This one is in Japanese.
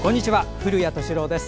古谷敏郎です。